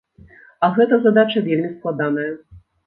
А гэта задача вельмі складаная!